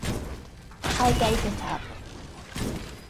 I gave it up.